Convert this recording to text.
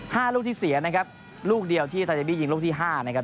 ลูกที่เสียนะครับลูกเดียวที่ทาเดบี้ยิงลูกที่ห้านะครับ